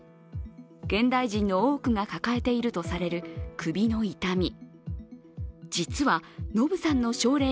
現代人の多くが抱えているとされる首の痛み。